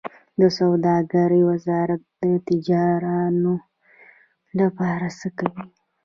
د سوداګرۍ وزارت د تجارانو لپاره څه کوي؟